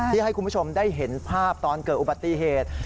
ให้คุณผู้ชมได้เห็นภาพตอนเกิดอุบัติเหตุ